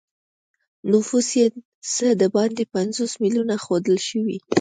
نفوس یې څه د باندې پنځوس میلیونه ښودل شوی.